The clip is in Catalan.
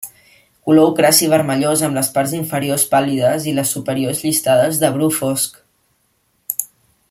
Color ocraci vermellós amb les parts inferiors pàl·lides i les superiors llistades de bru fosc.